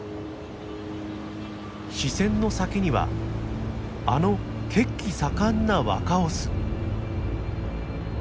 視線の先にはあの血気盛んな若オス。